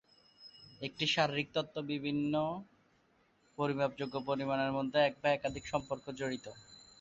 একটি শারীরিক তত্ত্ব বিভিন্ন পরিমাপযোগ্য পরিমাণের মধ্যে এক বা একাধিক সম্পর্ক জড়িত।